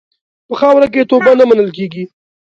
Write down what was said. په خاوره کې توبه نه منل کېږي.